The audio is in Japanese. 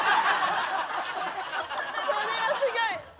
それはすギョい！